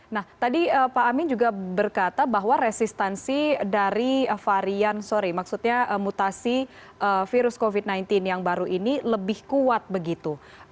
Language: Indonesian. nah tadi pak amin juga berkata bahwa resistensi dari varian sorry maksudnya mutasi virus covid sembilan belas yang baru ini lebih kuat begitu